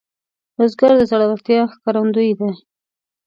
بزګر د زړورتیا ښکارندوی دی